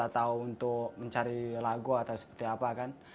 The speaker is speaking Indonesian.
atau untuk mencari lagu atau seperti apa kan